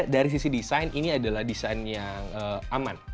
dari sisi desain ini adalah desain yang aman